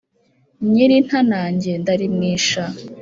nyirintanage ndarimwisha